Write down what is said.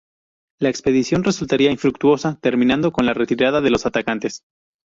La expedición resultaría infructuosa, terminando con la retirada de los atacantes.